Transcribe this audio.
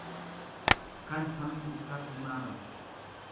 kan hammi isaa tilmaamame.